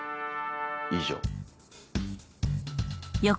以上。